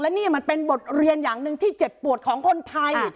นี่มันเป็นบทเรียนอย่างหนึ่งที่เจ็บปวดของคนไทย